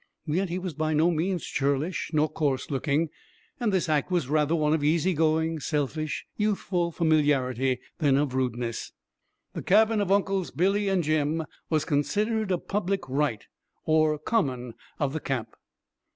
Yet he was by no means churlish nor coarse looking, and this act was rather one of easy going, selfish, youthful familiarity than of rudeness. The cabin of Uncles Billy and Jim was considered a public right or "common" of the camp.